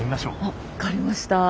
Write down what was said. あっ分かりました。